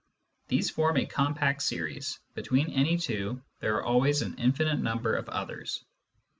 These form a compact series ; between any two there are always an infinite number of others.